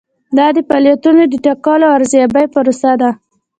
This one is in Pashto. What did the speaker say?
دا د فعالیتونو د ټاکلو او ارزیابۍ پروسه ده.